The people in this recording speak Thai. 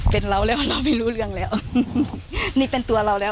เป็นเราแล้วเราไม่รู้เรื่องแล้วนี่เป็นตัวเราแล้ว